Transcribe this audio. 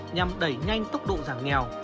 nhằm đẩy nhanh tốc độ giảm nghèo